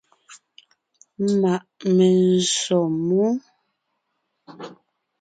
Ma’ menzsǒ mú.